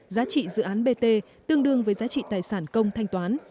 giá trị dự án bt tương đương với giá trị tài sản công thanh toán